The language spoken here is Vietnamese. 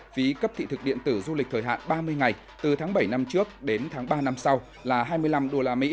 phí cấp thị thực điện tử du lịch thời hạn ba mươi ngày từ tháng bảy năm trước đến tháng ba năm sau là hai mươi năm usd